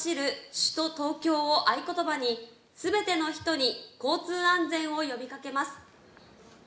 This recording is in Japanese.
首都東京を合言葉に、すべての人に交通安全を呼びかけます。